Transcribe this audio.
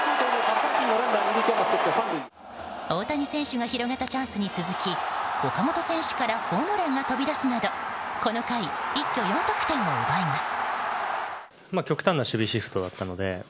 大谷選手が広げたチャンスに続き岡本選手からホームランが飛び出すなどこの回、一挙４得点を奪います。